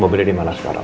mobilnya dimana sekarang